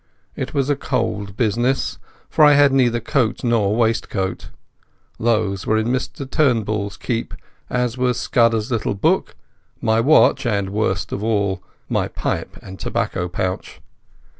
It was a cold business, for I had neither coat nor waistcoat. These were in Mr Turnbull's keeping, as was Scudder's little book, my watch and—worst of all—my pipe and tobacco pouch.